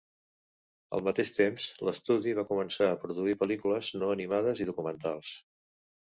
Al mateix temps, l’estudi va començar a produir pel·lícules no animades i documentals.